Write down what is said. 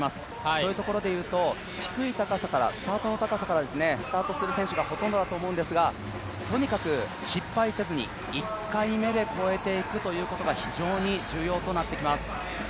そういうところでいうと、低い高さからスタートする選手がほとんどだと思うんですがとにかく失敗せずに１回目で越えていくということが非常に重要となってきます。